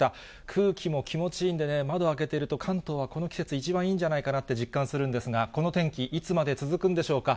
空気も気持ちいいんでね、窓開けていると、関東はこの季節、一番いいんじゃないかなって実感するんですが、この天気、いつまで続くんでしょうか。